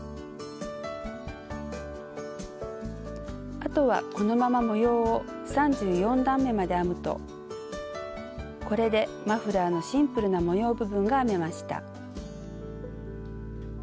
あとはこのまま模様を３４段めまで編むとこれでマフラーのシンプルな模様部分が編めました。